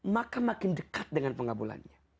maka makin dekat dengan pengabulannya